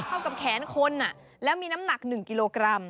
เข้ากับแขนคนแล้วมีน้ำหนัก๑กิโลกรัม